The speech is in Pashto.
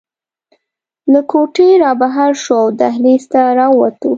له کوټې رابهر شوو او دهلېز ته راووتو.